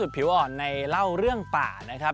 ผิวอ่อนในเล่าเรื่องป่านะครับ